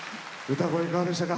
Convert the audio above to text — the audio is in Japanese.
歌声いかがでしたか？